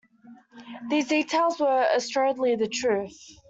These details were assuredly the truth.